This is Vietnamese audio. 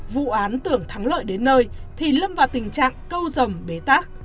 vụ án tưởng thắng lợi đến nơi thì lâm vào tình trạng câu rầm bế tác